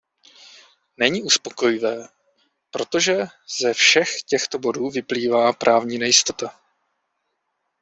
Není uspokojivé, protože ze všech těchto bodů vyplývá právní nejistota.